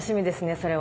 それは。